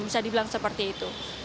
bisa dibilang seperti itu